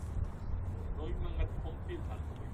He won the Conditional Jockey's title the following year.